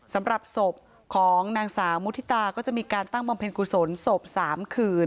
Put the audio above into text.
สำหรับศพของนางสาวมุฒิตาก็จะมีการตั้งบำเพ็ญกุศลศพ๓คืน